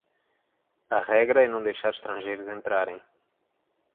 A regra é não deixar estrangeiros entrarem.